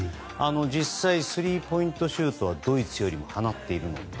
実際、スリーポイントシュートはドイツよりも放っているので。